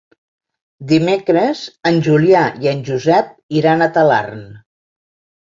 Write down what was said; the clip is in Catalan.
Dimecres en Julià i en Josep iran a Talarn.